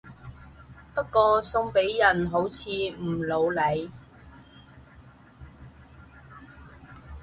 不過送俾人好似唔老嚟